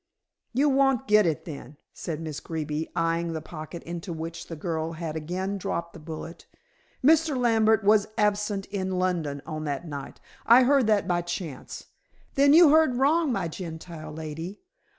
"You won't get it, then," said Miss Greeby, eyeing the pocket into which the girl had again dropped the bullet. "Mr. Lambert was absent in London on that night. I heard that by chance." "Then you heard wrong, my Gentile lady.